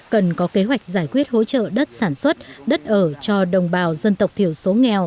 cần có kế hoạch giải quyết hỗ trợ đất sản xuất đất ở cho đồng bào dân tộc thiểu số nghèo